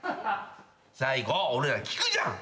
最後俺ら聞くじゃん。